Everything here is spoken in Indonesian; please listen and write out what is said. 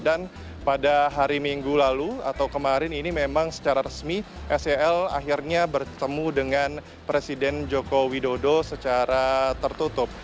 dan pada hari minggu lalu atau kemarin ini memang secara resmi sel akhirnya bertemu dengan presiden joko widodo secara tertutup